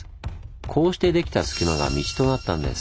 こうしてできた隙間が道となったんです。